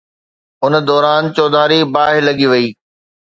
ان دوران چوڌاري باهه لڳي وئي